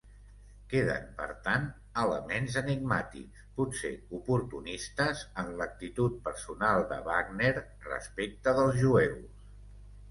Queden, per tant, elements enigmàtics, potser oportunistes, en l'actitud personal de Wagner respecte dels jueus.